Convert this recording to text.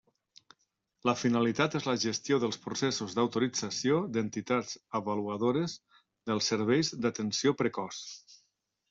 La finalitat és la gestió dels processos d'autorització d'entitats avaluadores dels serveis d'atenció precoç.